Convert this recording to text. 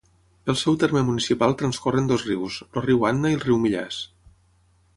Pel seu terme municipal transcorren dos rius; el riu Anna i el riu Millars.